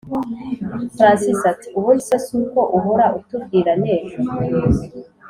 francis ati”ubundi se suko uhora utubwira nejo